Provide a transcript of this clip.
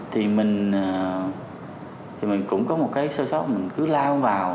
thì mình cũng có một cái sơ sót mình cứ lao vào